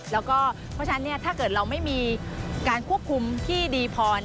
แล้วก็เพราะฉะนั้นถ้าเกิดเราไม่มีการควบคุมที่ดีพอ